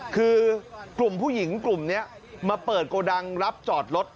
คือกลุ่มผู้หญิงกลุ่มนี้มาเปิดโกดังรับจอดรถ